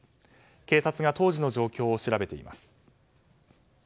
警察が当時の状況を調べています。